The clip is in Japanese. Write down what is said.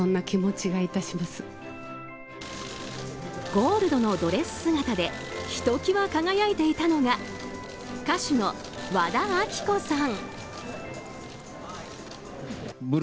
ゴールドのドレス姿でひときわ輝やいていたのが歌手の和田アキ子さん。